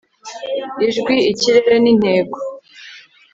ijwi, ikirere n'intego